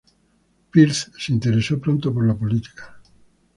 Pierce se interesó pronto por la política.